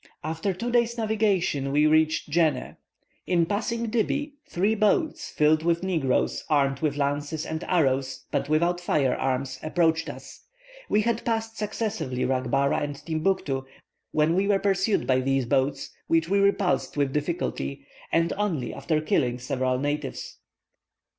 "After two days' navigation we reached Djenneh. In passing Dibby, three boats, filled with negroes armed with lances and arrows, but without fire arms, approached us. We had passed successively Racbara and Timbuctoo, when we were pursued by these boats, which we repulsed with difficulty, and only after killing several natives.